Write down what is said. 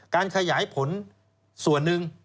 การขยายผลส่วนหนึ่ง